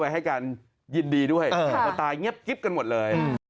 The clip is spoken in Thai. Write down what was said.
ให้การยินดีด้วยขาตาเงี๊ยบกันหมดเลย